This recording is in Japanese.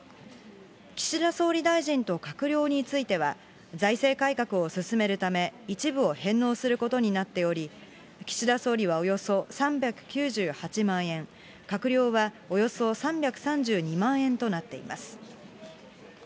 岸田総理大臣と閣僚については、財政改革をすすめるため、一部を返納することになっており、岸田総理はおよそ３９８万円、閣僚はおよそ３３２万円となっています。